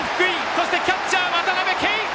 そしてキャッチャーの渡辺憩！